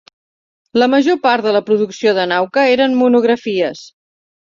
La major part de la producció de Nauka eren monografies.